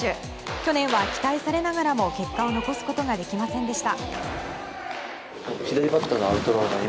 去年は期待されながらも結果を残すことができませんでした。